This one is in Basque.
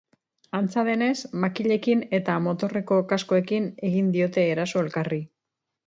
Antza denez, makilekin eta motorreko kaskoekin egin diote eraso elkarri.